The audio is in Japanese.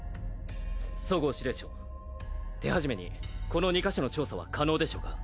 十河指令長手始めにこの２か所の調査は可能でしょうか？